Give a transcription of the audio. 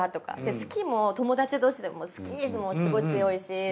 好きも友達同士でも好き！もすごい強いし。